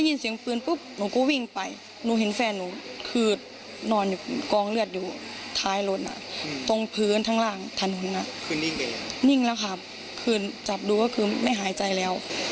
ถนนอ่ะคือนิ่งไปแล้วนิ่งแล้วค่ะคืนจับดูก็คือไม่หายใจแล้ว